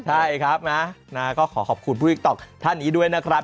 ใช่ครับนะก็ขอขอบคุณผู้ติ๊กต๊อกท่านนี้ด้วยนะครับ